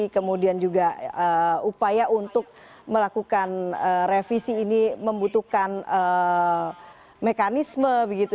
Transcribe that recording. kemudian juga upaya untuk melakukan revisi ini membutuhkan mekanisme begitu